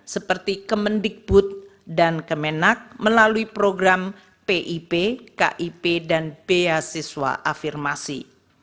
seperti kemendikbud dan kemenak melalui program pip kip dan beasiswa afirmasi